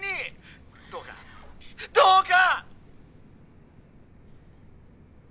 どうかどうか！